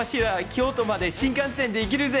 京都まで新幹線で行けるぜ！